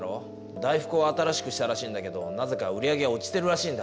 大福を新しくしたらしいんだけどなぜか売り上げが落ちてるらしいんだ。